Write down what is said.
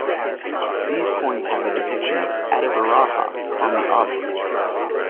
These coins have a depiction of "Adivaraha" on the obverse.